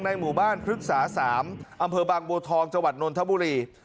ในหมู่บ้านฤกษาสามอำเภอบางบวทองจวัดนนทบุรี